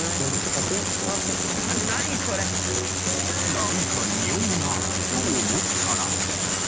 なんかにおうなと思ったら。